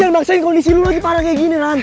lu jangan maksain kondisi lu lagi parah kayak gini ran